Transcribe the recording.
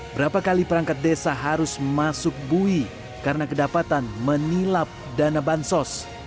berapa kali perangkat desa harus masuk bui karena kedapatan menilap dana bansos